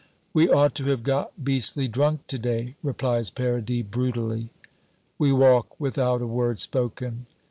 "We ought to have got beastly drunk to day!" replies Paradis brutally. We walk without a word spoken.